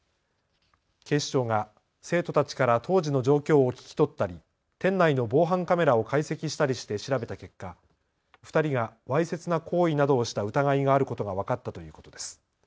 警視庁が生徒たちから当時の状況を聞き取ったり店内の防犯カメラを解析したりして調べた結果、２人がわいせつな行為などをした疑いがあることが分かったということです。